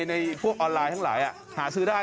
ในพวกออนไลน์ทั้งหลายหาซื้อได้